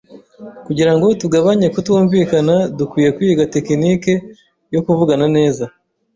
Kugira ngo tugabanye kutumvikana dukwiye kwiga tekinike yo kuvugana neza.